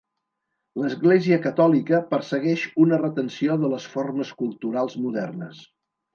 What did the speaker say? L'Església catòlica persegueix una retenció de les formes culturals modernes.